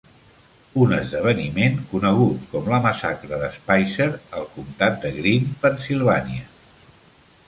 Un esdeveniment conegut com la massacre de Spicer al comtat de Greene, Pennsilvània.